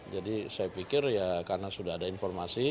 jadi saya pikir karena sudah ada informasi